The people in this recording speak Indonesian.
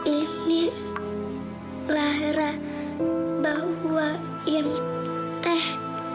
inilah lara bawa yang teh